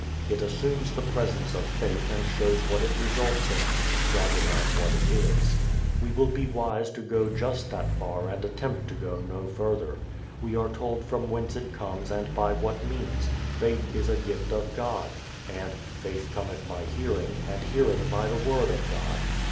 It assumes the presence of faith and shows what it results in, rather than what it is. We will be wise to go just that far and attempt to go no further. We are told from whence it comes and by what means: "Faith is a gift of God," and "Faith cometh by hearing, and hearing by the word of God."